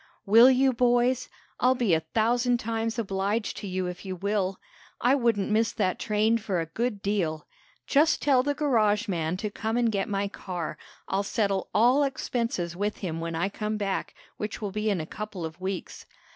"Will you, boys? I'll be a thousand times obliged to you if you will! I wouldn't miss that train for a good deal. Just tell the garage man to come and get my car. I'll settle all expenses with him when I come back, which will be in a couple of weeks.